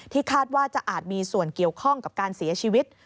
คาดว่าจะอาจมีส่วนเกี่ยวข้องกับการเสียชีวิต